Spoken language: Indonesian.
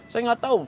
saya gak tau